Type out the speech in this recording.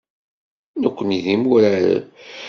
Nekkni d imuraren.